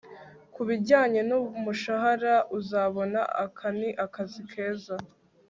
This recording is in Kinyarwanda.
kubijyanye n'umushahara uzabona, aka ni akazi keza